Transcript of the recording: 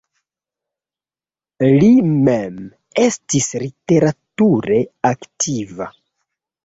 Li mem estis literature aktiva.